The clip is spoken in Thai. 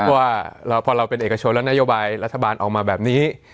เพราะว่าพอเราเป็นเอกชนแล้วนโยบายรัฐบาลออกมาแบบนี้